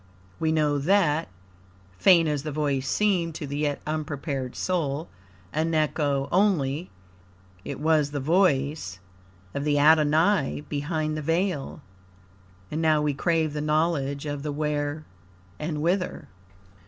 We know that, faint as the voice seemed to the yet unprepared soul, an echo only, IT WAS THE VOICE OF THE ADONAI BEHIND THE VEIL. And now we crave the knowledge of the Where and Whither.